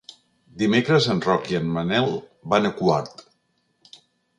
Dimecres en Roc i en Manel van a Quart.